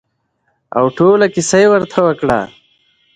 او ټوله کېسه يې ورته وکړه.